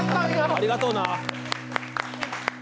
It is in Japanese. ありがとうな。